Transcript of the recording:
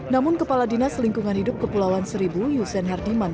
namun kepala dinas lingkungan hidup kepulauan seribu yusen herdiman